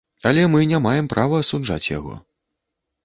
Але мы не маем права асуджаць яго.